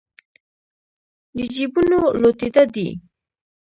د جېبونو لوټېده دي